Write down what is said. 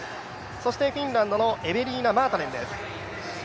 そしてフィンランドのエベリーナ・マータネンです。